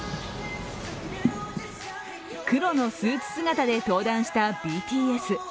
黒のスーツ姿で登壇したＢＴＳ。